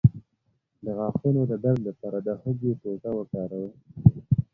د غاښونو د درد لپاره د هوږې ټوټه وکاروئ